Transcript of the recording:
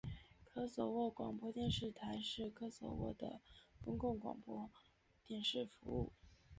科索沃广播电视台是科索沃的公共广播电视服务。